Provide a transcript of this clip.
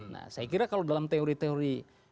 nah saya kira kalau dalam teori teori